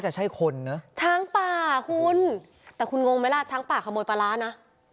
จะใช่คนนะช้างป่าคุณแต่คุณงงไหมล่ะช้างป่าขโมยปลาร้านะ